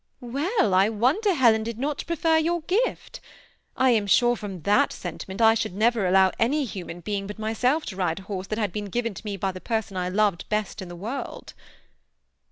" Well, I wonder Helen did not prefer your gift. I am sure that from sentiment I should never allow any human being but myself to ride a horse that had been given to me by the person I loved best in the world."